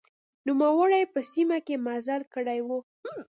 نوموړي په سیمه کې مزل کړی و.